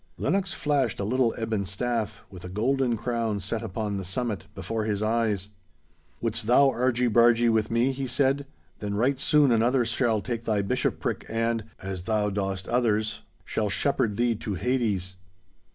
Lennox flashed a little ebon staff, with a golden crown set upon the summit, before his eyes. 'Would'st thou argie bargie with me?' he said, 'then right soon another shall take thy bishopric and (as thou dost others) shalt shepherd thee to Hades.